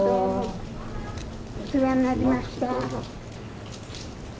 お世話になりました。